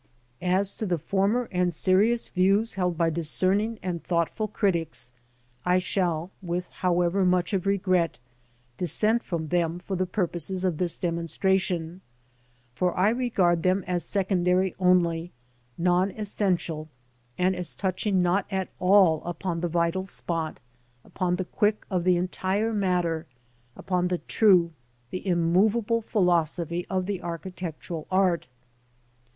As to the former and serious views held by discerning and thought ful critics, I shall, with however much of regret, dissent from them for the purposes of this demonstration, for I regard them as secondary only, non essential, and as touching not at all upon the vital spot, upon the quick of the entire matter, upon the true, the immovable philosophy of the architectural art.